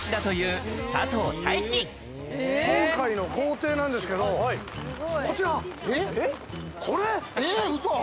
今回の豪邸なんですけど、こちら。